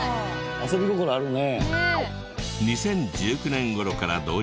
遊び心あるね。